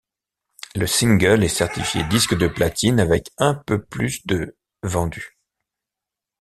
Le single est certifié disque de platine avec un peu plus de vendus.